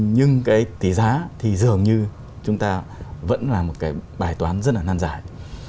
nhưng cái tỷ giá thì dường như chúng ta vẫn là một cái bài toán rất là nan giải